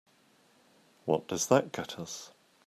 What does that get us?